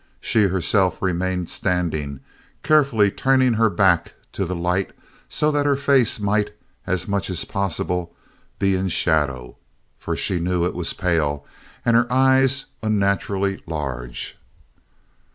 She herself remained standing, carefully turning her back to the light so that her face might, as much as possible, be in shadow. For she knew it was pale and the eyes unnaturally large.